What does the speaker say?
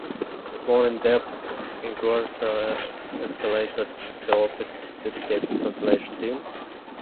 More in-depth enquiries are escalated to the Office's dedicated Consultation Team.